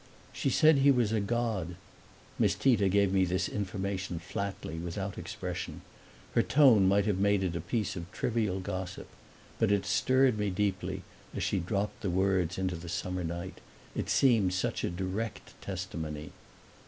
"She said he was a god." Miss Tita gave me this information flatly, without expression; her tone might have made it a piece of trivial gossip. But it stirred me deeply as she dropped the words into the summer night; it seemed such a direct testimony.